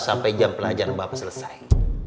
sampai jam pelajaran bapak selesai